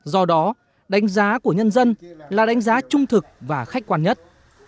do đó đánh giá của nhân dân là đánh giá trung thực và khách quan nhất